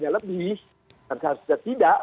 lebih kalau tidak